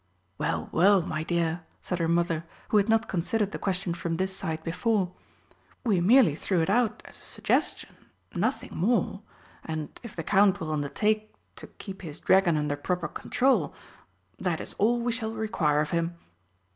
"Well, well, my dear," said her Mother, who had not considered the question from this side before, "we merely threw it out as a suggestion nothing more. And if the Count will undertake to keep his dragon under proper control, that is all we shall require of him."